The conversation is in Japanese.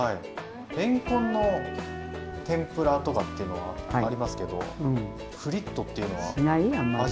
れんこんの天ぷらとかっていうのはありますけどフリットっていうのは初めてですね。